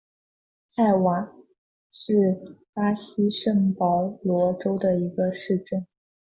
泰乌瓦是巴西圣保罗州的一个市镇。